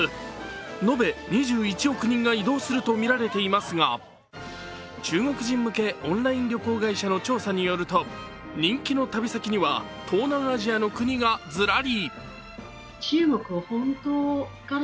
延べ２１億人が移動するとみられていますが、中国人向けオンライン旅行会社の調査によると、人気の旅先には東南アジアの国がズラリ。